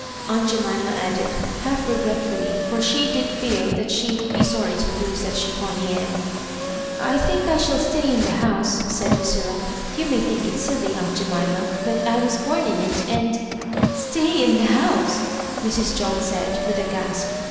aunt Jemima added, half regretfully, for she did feel that she would be sorry to lose that chiflfonier." " I think I shall stay in the house, " said Lu cilla; "you may think it silly, aunt Jemima, but I was born in it, and "'* Stay in the house 1 " Mrs. John said, with a gasp.